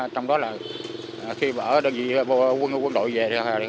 trong đó là khi bở đơn vị quân đội về thì không có gì